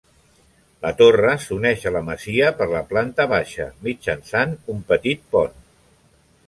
La torre s'uneix a la masia per la planta baixa mitjançant un petit pont.